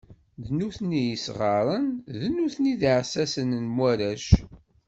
D nutni i yesɣarayen, d nutni i d iεessasen n warrac.